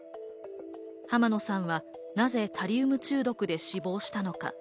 浜野さんはなぜタリウム中毒で死亡したのか？